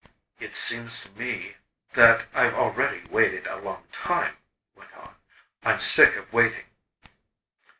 "It seems to me that I've already waited a long time," he went on. "I'm sick of waiting."